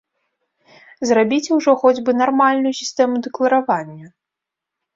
Зрабіце ўжо хоць бы нармальную сістэму дэкларавання!